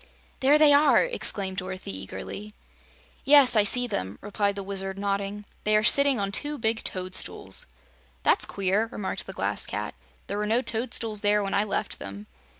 "There they are!" exclaimed Dorothy eagerly. "Yes, I see them," replied the Wizard, nodding. "They are sitting on two big toadstools." "That's queer," remarked the Glass Cat. "There were no toadstools there when I left them."